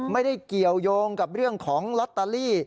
ไม่ได้เกี่ยวยงกับเรื่องของลอตเตอรี่